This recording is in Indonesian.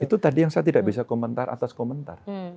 itu tadi yang saya tidak bisa komentar atas komentar